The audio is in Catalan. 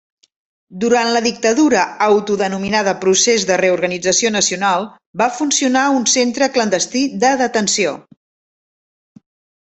Durant la dictadura autodenominada Procés de Reorganització Nacional va funcionar un centre clandestí de detenció.